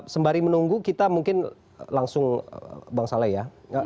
sembari menunggu kita mungkin langsung bang saleh ya